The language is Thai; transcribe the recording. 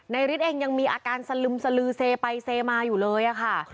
ฤทธิ์เองยังมีอาการสลึมสลือเซไปเซมาอยู่เลยค่ะ